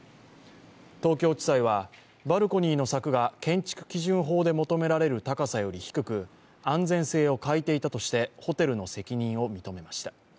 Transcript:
東京地裁はバルコニーの柵が建築基準法で求められる高さより低く、安全性を欠いていたとしてホテルの責任を認めました。